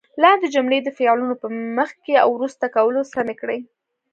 لاندې جملې د فعلونو په مخکې او وروسته کولو سمې کړئ.